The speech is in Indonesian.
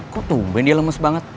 kok tumben dia lemes banget